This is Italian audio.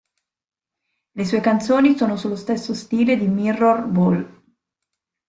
Le sue canzoni sono sullo stesso stile di "Mirror Ball".